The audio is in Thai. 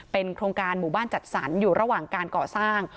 โครงการหมู่บ้านจัดสรรอยู่ระหว่างการก่อสร้าง